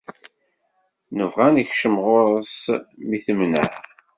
Nebɣa ad nekcem ɣur-s mi temneɛ